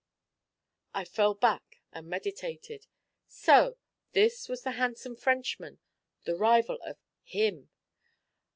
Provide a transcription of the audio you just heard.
I fell back and meditated. So this was the handsome Frenchman, the rival of 'him'!